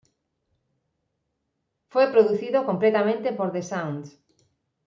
Fue producido completamente por The Sounds.